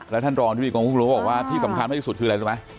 และท่านรองที่พี่กองพุทธบอกว่าที่สำคัญมากที่สุดคืออะไรรู้ไหม